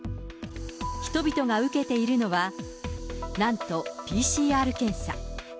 人々が受けているのは、なんとＰＣＲ検査。